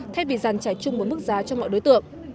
thay vì giàn trải chung một mức giá cho mọi đối tượng